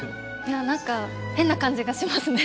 なんか変な感じがしますね。